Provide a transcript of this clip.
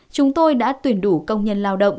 chúng tôi đã tuyển đủ công nhân lao động